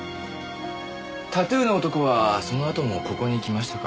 タトゥーの男はそのあともここに来ましたか？